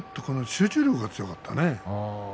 集中力が強かったね。